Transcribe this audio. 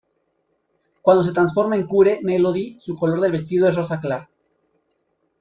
Cuando se transforma en Cure Melody su color del vestido es el rosa claro.